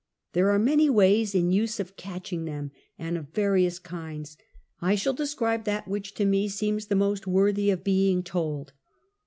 There are many ways in use of catching them and of various kinds: I shall describe that which to me seems the most worthy of being told.